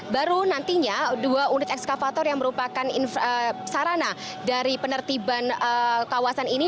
baru nantinya dua unit ekskavator yang merupakan sarana dari penertiban kawasan ini